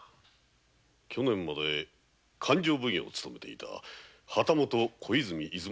去年まで勘定奉行を勤めていた旗本小泉出雲守。